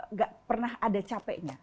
nggak pernah ada capeknya